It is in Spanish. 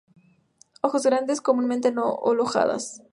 Hojas grandes, comúnmente no alojadas.